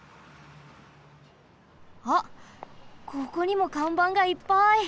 あっここにもかんばんがいっぱい。